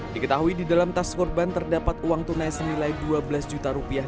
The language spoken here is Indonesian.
diketahui di dalam tas korban terdapat uang tunai senilai dua belas juta rupiah